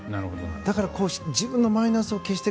だから自分のマイナスを消して。